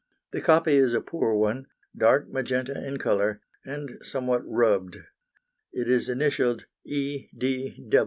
The copy is a poor one, dark magenta in colour, and somewhat rubbed. It is initialled 'E.